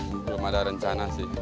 nggak ada rencana sih